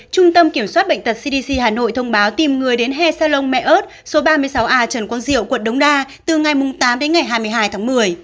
trung tâm kiểm soát bệnh tật cdc hà nội thông báo tìm người đến he salon mẹ ớt số ba mươi sáu a trần quang diệu quận đống đa từ ngày tám đến ngày hai mươi hai tháng một mươi